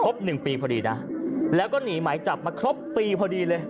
หนึ่งปีพอดีนะแล้วก็หนีหมายจับมาครบปีพอดีเลย